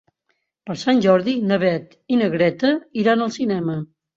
Per Sant Jordi na Beth i na Greta iran al cinema.